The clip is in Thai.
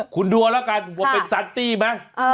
คุณดูเอาละกันจะเป็นโยสันตี้ไหม